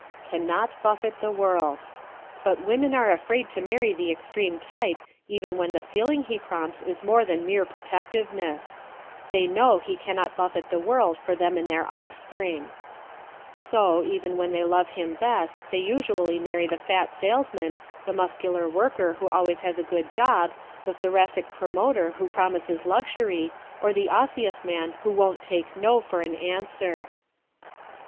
Can Not Buffet the World ¶ But women are afraid to marry the extreme type even when the feeling he prompts is more than mere protectiveness. They know he can not buffet the world for them and their offspring. So, even when they love him best they usually marry the fat salesman, the Muscular worker who always has a good job, the Thoracic promoter who promises luxury, or the Osseous man who won't take "No" for an answer.